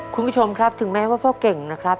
คุณผู้ชมครับถึงแม้ว่าพ่อเก่งนะครับ